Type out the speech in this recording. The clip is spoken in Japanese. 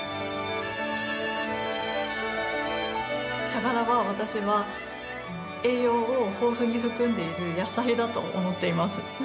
茶殻は、私は栄養を豊富に含んでいる野菜だと思っています。